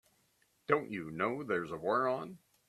Don't you know there's a war on?